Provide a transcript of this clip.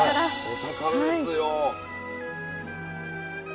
お宝ですよ。